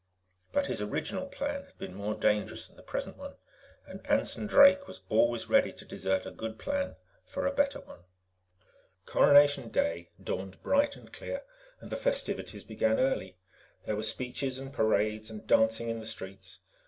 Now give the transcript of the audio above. But his original plan had been more dangerous than the present one, and Anson Drake was always ready to desert a good plan for a better one. Coronation Day dawned bright and clear, and the festivities began early. There were speeches and parades and dancing in the streets.